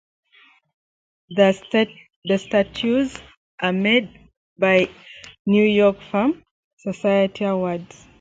The statues are made by New York firm, Society Awards.